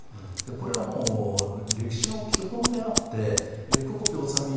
これはもう歴史の基本であって久保木修己